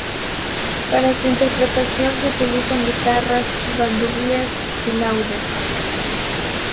Para su interpretación se utilizan guitarras, bandurrias y laúdes.